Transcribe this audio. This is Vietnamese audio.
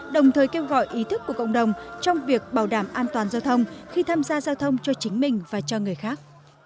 đồng thời kêu gọi ý thức của cộng đồng trong việc bảo đảm an toàn giao thông khi tham gia giao thông cho chính mình và cho người khác